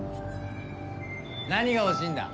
何が欲しいんだ？